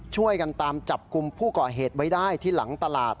ช่วยกันตามจับกลุ่มผู้ก่อเหตุไว้ได้ที่หลังตลาด